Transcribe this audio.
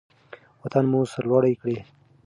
وطن مو سرلوړی کړئ.